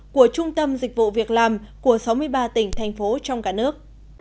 của trung tâm dịch vụ việc làm của sáu mươi ba tỉnh thành phố trong cả nước